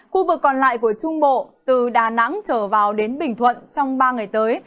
khu vực còn lại của trung bộ từ đà nẵng trở vào đến bình thuận trong ba ngày tới